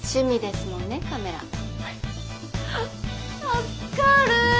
助かる。